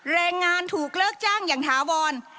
แรงงานถูกเลิกจ้างอย่างถาวร